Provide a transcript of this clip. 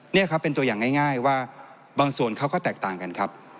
นี่ครับเป็นตัวอย่างง่ายว่าบางส่วนเขาก็แตกต่างกันครับ